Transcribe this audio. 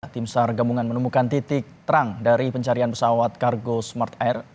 tim sar gabungan menemukan titik terang dari pencarian pesawat kargo smart air